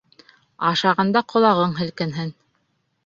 Ашағанда ҡолағың һелкенһен!